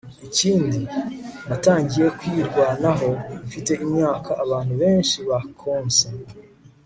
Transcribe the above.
ikindi. natangiye kwirwanaho mfite imyaka abantu benshi bakonsa